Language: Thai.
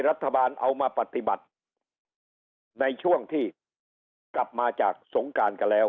รัฐบาลเอามาปฏิบัติในช่วงที่เขากลับมาจากสงการกันแล้ว